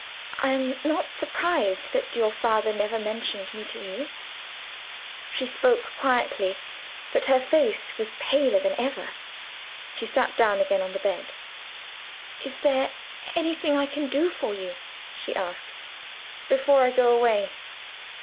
"I am not surprised that your father never mentioned me to you." She spoke quietly, but her face was paler than ever. She sat down again on the bed. "Is there anything I can do for you," she asked, "before I go away?